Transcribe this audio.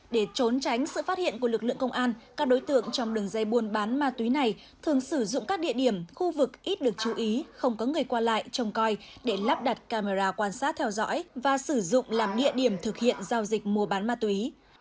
để trốn tránh sự phát hiện của lực lượng công an các đối tượng trong đường dây buôn bán ma túy này thường sử dụng các địa điểm khu vực ít được chú ý không có người qua lại trông coi để lắp đặt camera quan sát theo dõi và sử dụng làm địa điểm thực hiện giao dịch mua bán ma túy